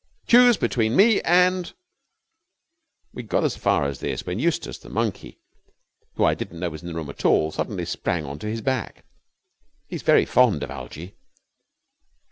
Choose between me and ' We had got as far as this when Eustace, the monkey, who I didn't know was in the room at all, suddenly sprang on to his back. He is very fond of Algie.